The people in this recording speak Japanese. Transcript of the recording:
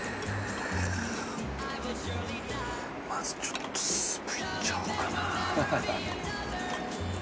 まずちょっとスープいっちゃおうかな。